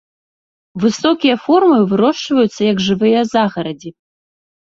Высокія формы вырошчваюцца як жывыя загарадзі.